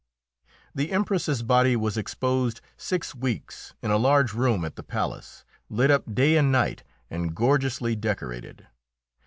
The Empress's body was exposed six weeks in a large room at the palace, lit up day and night and gorgeously decorated.